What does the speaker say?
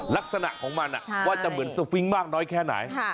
ลักษณะของมันว่าจะเหมือนสฟิงค์มากน้อยแค่ไหน